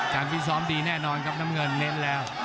การพิสอบดีแน่นอนครับน้ำเงินนนต์แล้ว